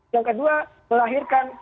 yang kedua melahirkan